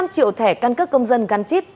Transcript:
sáu mươi năm triệu thẻ căn cấp công dân gắn chip